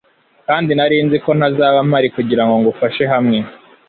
kandi nari nzi ko ntazaba mpari kugirango ngufashe hamwe